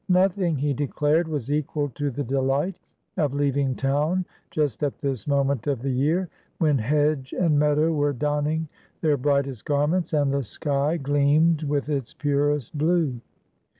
Nothing, he declared, was equal to the delight of leaving town just at this moment of the year, when hedge and meadow were donning their brightest garments and the sky gleamed with its purest blue.